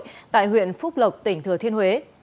của huyện phúc lộc tỉnh thừa thiên huế